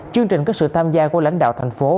chương trình có sự tham gia của lãnh đạo tp hcm